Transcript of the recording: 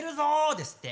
ですって。